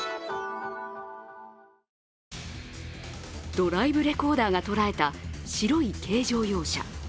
ドライブレコーダーが捉えた白い軽乗用車。